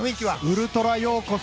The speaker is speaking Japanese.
ウルトラようこそ。